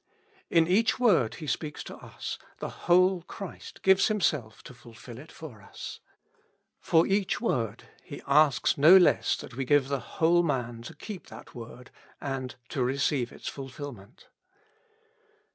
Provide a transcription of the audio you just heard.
In each word He speaks to us, the whole Christ gives Himself to fulfil it for us. For each word He asks no less that we give the whole man to keep that word, and to receive its fulfilment.